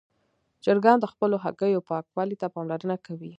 چرګان د خپلو هګیو پاکوالي ته پاملرنه کوي.